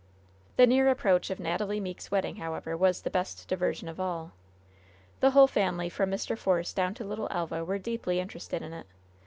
The near approach of Natalie Meeke's wedding, however, was the best diversion of all. The whole family, from Mr. Force down to little Elva, were deeply interested in it.